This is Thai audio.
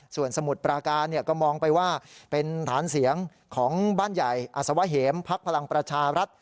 ส่วนสมุทรปราการก็มองไปว่าเป็นฐานเสียงของบ้านใหญ่อัศวะเหมพักพลังประชารัฐ